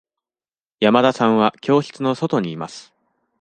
山田さんは教室の外にいます。